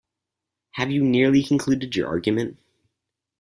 Have you nearly concluded your argument?